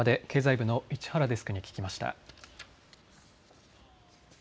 ここまで経済部の市原デスクに聞きました。